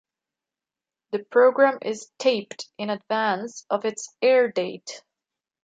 The program is taped in advance of its airdate.